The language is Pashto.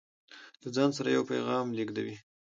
له ځان سره يو پيغام لېږدوي